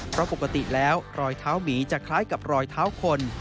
เพราะปกติแล้วรอยเท้าหมีจะคล้ายกับรอยเท้าคน